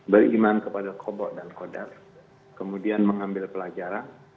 beriman kepada qobo dan qodar kemudian mengambil pelajaran